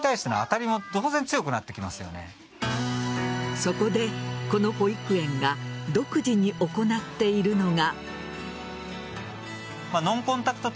そこで、この保育園が独自に行っているのが。